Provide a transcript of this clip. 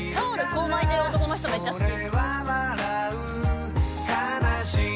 こう巻いてる男の人めっちゃ好き。